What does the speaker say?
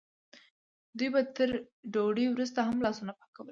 دوی به تر ډوډۍ وروسته هم لاسونه پاکول.